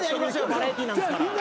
バラエティーなんですから。